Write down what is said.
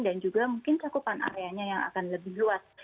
dan juga mungkin cakupan areanya yang akan lebih luas